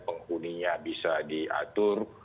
penghuninya bisa diatur